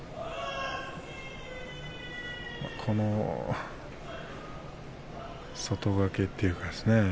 この外掛けというかですね。